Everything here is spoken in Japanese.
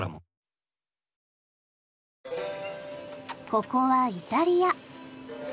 ここはイタリア。